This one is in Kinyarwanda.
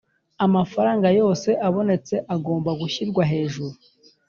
amafaranga yose abonetse agomba gushyirwa hejuru